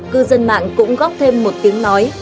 cư dân mạng cũng góp thêm một tiếng nói